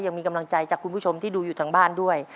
ยังมีกำลังใจจากคุณผู้ชมที่ดูอยู่ทางบ้านด้วย